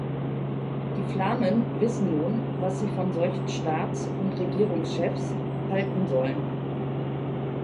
Die Flamen wissen nun, was sie von solchen Staats- und Regierungschefs halten sollen.